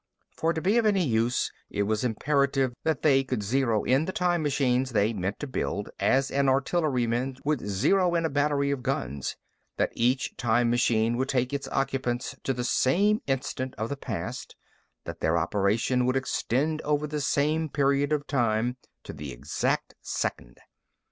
For to be of any use, it was imperative that they could zero in the time machines they meant to build as an artilleryman would zero in a battery of guns, that each time machine would take its occupants to the same instant of the past, that their operation would extend over the same period of time, to the exact second.